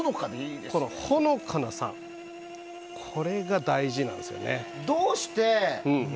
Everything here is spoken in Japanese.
そのほのかな酸味が大事なんですよね。